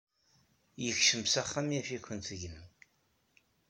Yekcem s axxam yaf-iken tegnem.